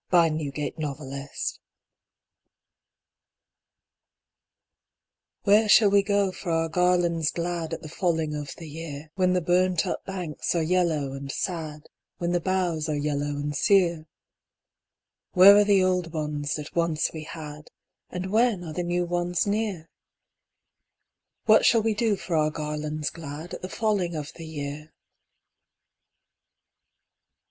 A Song of Autumn "Where shall we go for our garlands glad At the falling of the year, When the burnt up banks are yellow and sad, When the boughs are yellow and sere? Where are the old ones that once we had, And when are the new ones near? What shall we do for our garlands glad At the falling of the year?"